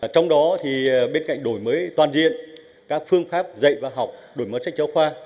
trong đó bên cạnh đổi mới toàn diện các phương pháp dạy và học đổi mới sách giáo khoa